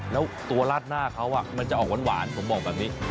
แล้วตัวราดหน้าเขามันจะออกหวานผมบอกแบบนี้